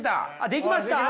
できました？